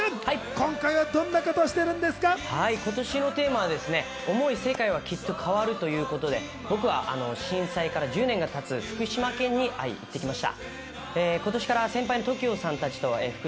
今回は今年のテーマは「想い世界は、きっと変わる。」で僕は震災から１０年が経つ福島県に行ってきました。